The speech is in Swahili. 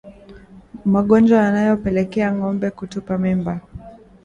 Magonjwa yanayopelekea ngombe kutupa mimba